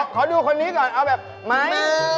ขอดูคนนี้ก่อนเอาแบบไม้